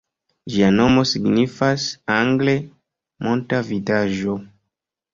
Ĝia nomo signifas angle "monta vidaĵo".